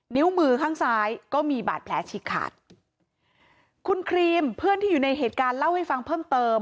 นิ้วมือข้างซ้ายก็มีบาดแผลฉีกขาดคุณครีมเพื่อนที่อยู่ในเหตุการณ์เล่าให้ฟังเพิ่มเติม